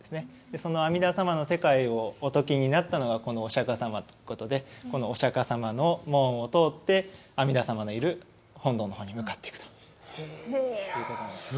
その阿弥陀様の世界をお説きになったのがこのお釈迦様ということでこのお釈迦様の門を通って阿弥陀様のいる本堂の方に向かっていくということなんですね。